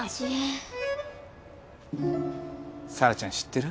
サラちゃん知ってる？